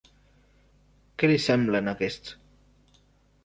Què li semblen aquests.?